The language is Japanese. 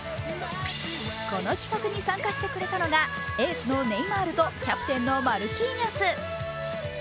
この企画に参加してくれたのがエースのネイマールとキャプテンのマルキーニョス。